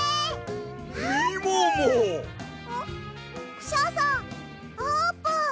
クシャさんあーぷん！